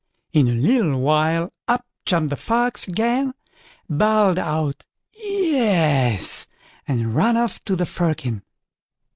In a little while up jumped the Fox again, bawled out "yes", and ran off to the firkin.